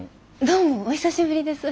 どうもお久しぶりです。